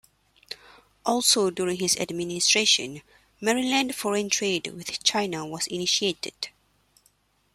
Also during his administration, Maryland foreign trade with China was initiated.